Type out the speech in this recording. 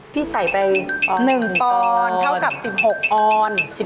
พี่ใส่ไป๑ปอนด์เท่ากับ๑๖ออนด์